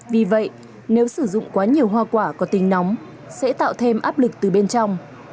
vì vậy nếu sử dụng quá nhiều hoa quả có tính nóng sẽ tạo thêm áp lực từ bên trong